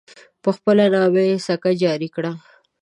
په خپل نامه یې سکه جاري کړه.